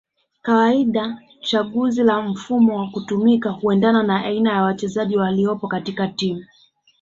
kawaida chaguzi la mfumo wa kutumika huendana na aina ya wachezaji waliopo katika timu